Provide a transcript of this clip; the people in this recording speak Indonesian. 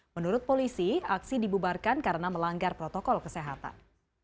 menurut polisi aksi dibubarkan karena melanggar protokol kesehatan